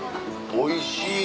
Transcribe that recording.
おいしい！